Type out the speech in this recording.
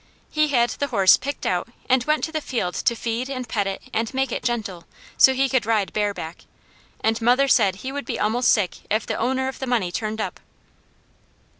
He had the horse picked out and went to the field to feed and pet it and make it gentle, so he could ride bareback, and mother said he would be almost sick if the owner of the money turned up.